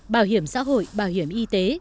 bảo hiểm xã hội bảo hiểm y tế